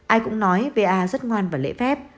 ai cũng nói va rất ngoan và lễ bảo